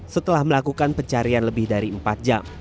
setelah melakukan pencarian lebih dari empat jam